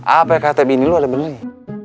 apa yang kata bini lu ada bener ya